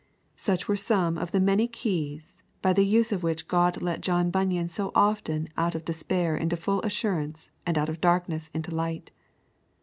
Such were some of the many keys by the use of which God let John Bunyan so often out of despair into full assurance and out of darkness into light.